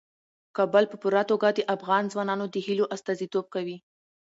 کابل په پوره توګه د افغان ځوانانو د هیلو استازیتوب کوي.